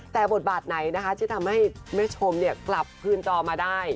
แต่บทบาทไหนนะคะที่ทำให้แม่ชมกลับคืนจอมาได้